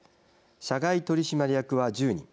社外取締役は１０人。